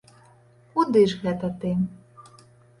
Куды ж гэта ты?